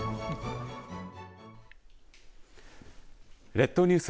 列島ニュース